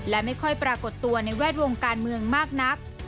และไม่ค่อยปรากฏตัวในแวดวงการเมืองมากนัก